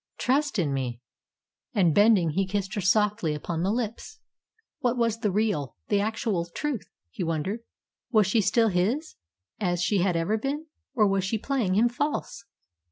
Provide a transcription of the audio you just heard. Trust in me;" and, bending, he kissed her softly upon the lips. What was the real, the actual truth, he wondered. Was she still his, as she had ever been, or was she playing him false?